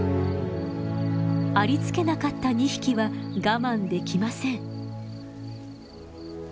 ありつけなかった２匹は我慢できません。